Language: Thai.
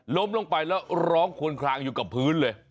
ล้มลงไปแล้วร้องควนคลางอยู่กับพื้นเลย